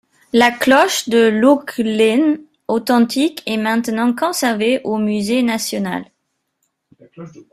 La cloche de Lough Lene authentique est maintenant conservée au Musée national.